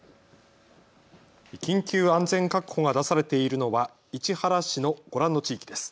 緊急安全確保が出されているのは市原市のご覧の地域です。